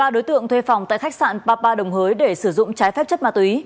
ba đối tượng thuê phòng tại khách sạn papa đồng hới để sử dụng trái phép chất ma túy